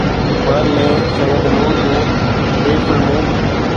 انهن ۾ سيد نور جون ٽي فلمون